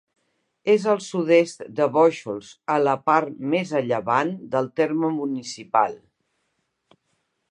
És al sud-est de Bóixols, a la part més a llevant del terme municipal.